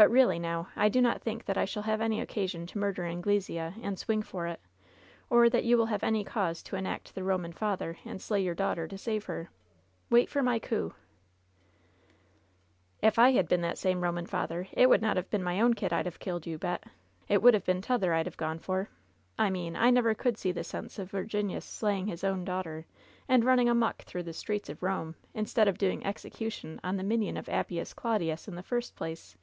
But really now, I do not think that I shall have any occasion to murder Angle sea and swing for it, or that you will have any cause to enact the Eoman father and slay your daughter to save her. Wait for my coup/* "If I had been that same Eoman father, it would not have been my own kid I'd have killed, you bet. It would have been t'other I'd have gone for. I mean, I never could see the sense of Virginius slaying his own daugh ter, and running amuck tliough the streets of Eome, in stead of doing execution on the minion of Appius Clau LOVE'S BITTEREST CUP 106 dius in the first place.